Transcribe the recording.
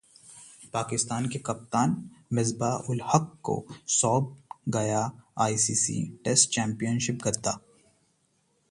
पाकिस्तान के कप्तान मिसबाह उल हक को सौंपा गया आईसीसी टेस्ट चैंपियनशिप गदा